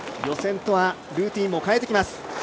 予選とはルーティンも変えてきます。